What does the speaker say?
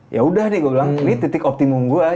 ya udah deh gue bilang ini titik optimum gue